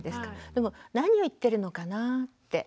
でも何を言ってるのかなぁって。